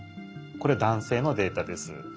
これ男性のデータです。